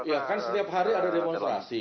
ya kan setiap hari ada demonstrasi